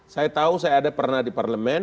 saya tahu saya pernah ada di parlemen